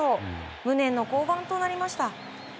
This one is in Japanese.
無念の降板となりました。